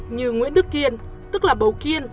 như nguyễn đức kiên tức là bầu kiên